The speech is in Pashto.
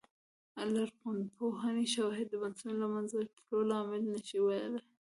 د لرغونپوهنې شواهد د بنسټونو له منځه تلو لامل نه شي ویلای